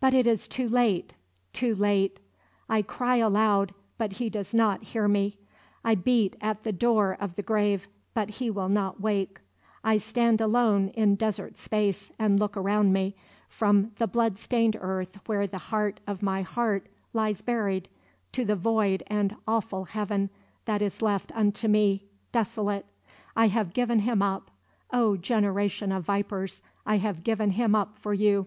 But it is too late too late! I cry aloud, but he does not hear me; I beat at the door of the grave, but he will not wake; I stand alone, in desert space, and look around me, from the blood stained earth where the heart of my heart lies buried, to the void and awful heaven that is left unto me, desolate. I have given him up; oh, generation of vipers, I have given him up for you!